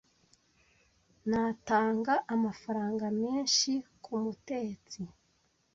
Natanga amafaranga menshi ku mutetsi